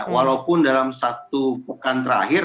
walaupun dalam satu pekan terakhir